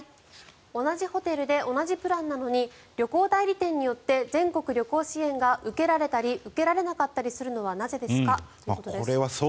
同じホテルで同じプランなのに旅行代理店によって全国旅行支援が受けられたり受けられなかったりするのはなぜですか？ということです。